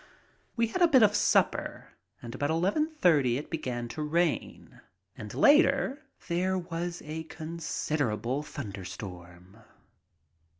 We had a bit of supper, and about eleven thirty it began to rain, and later there was a considerable thunderstorm.